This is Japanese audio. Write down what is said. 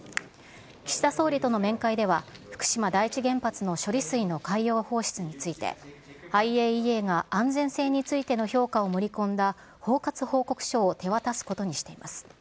岸田総理との面会では、福島第一原発の処理水の海洋放出について、ＩＡＥＡが安全性についての評価を盛り込んだ包括報告書を手渡すことにしています。